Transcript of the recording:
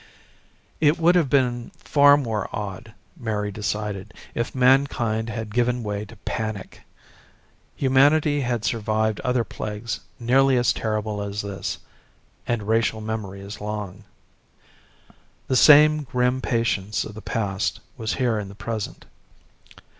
It would have been far more odd, Mary decided, if mankind had given way to panic. Humanity had survived other plagues nearly as terrible as this and racial memory is long. The same grim patience of the past was here in the present.